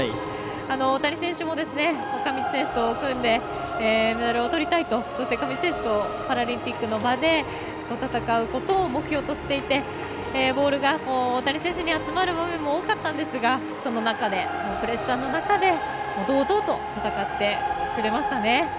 大谷選手も、上地選手と組んでメダルをとりたいとそして上地選手もパラリンピックの場で戦うことを目標としていてボールが大谷選手に集まる場面も多かったんですが、その中でプレッシャーの中で堂々と戦ってくれましたね。